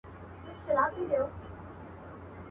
چي ستا په یاد په سپینو شپو راباندي څه تېرېږي.